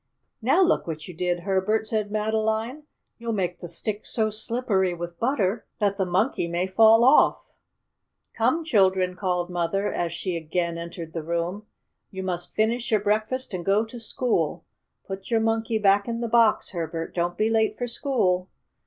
"Now look what you did, Herbert!" said Madeline. "You'll make the stick so slippery with butter that the Monkey may fall off." "Come, children," called Mother, as she again entered the room. "You must finish your breakfast and go to school. Put your Monkey back in the box, Herbert. Don't be late for school."